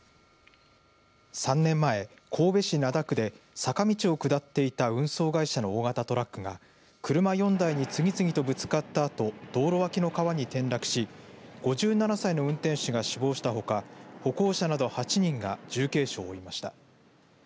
３年前、神戸市灘区で坂道を下っていた運送会社の大型トラックが車４台に次々とぶつかったあと道路脇の川に転落し５７歳の運転手が死亡したほか歩行者など８人が重軽傷を負いました。